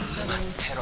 てろ